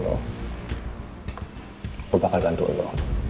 gua bakal bantu lo